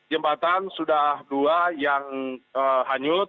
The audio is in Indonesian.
jembatan sudah dua yang hanyut